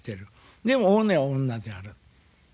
でも本音は女である。